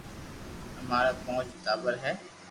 امارآ پونچ ٽاٻر ھي